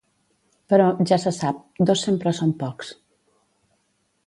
Però, ja se sap, dos sempre són pocs.